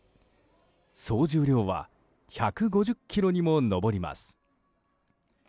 総重量は１５０ｋｇにも上ります。